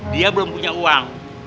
dia belum punya uang